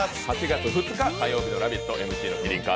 ８月２日火曜日の「ラヴィット！」